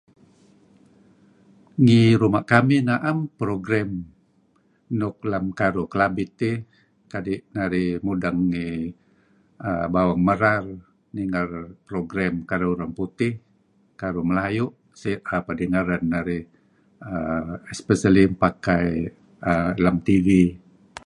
Ngi ruma' kamih na'em program nuk lem karuh Kelabit eh. Kadi' narih mudeng ngi err bawang merar ninger program karuh urang putih, karuh melayu' pedingeren narih err especially pakai err lem tv.